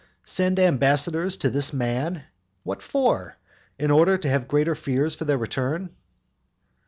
Send ambassadors to this man! What for? in order to have great fears for their return?